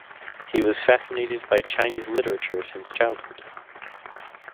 He was fascinated by Chinese literature since childhood.